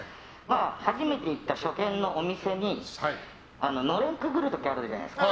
初めて行った初見のお店にのれんくぐる時あるじゃないですか。